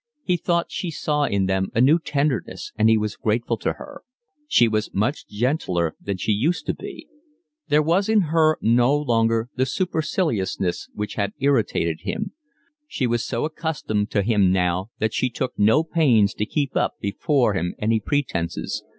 He thought he saw in them a new tenderness, and he was grateful to her. She was much gentler than she used to be. There was in her no longer the superciliousness which had irritated him. She was so accustomed to him now that she took no pains to keep up before him any pretences.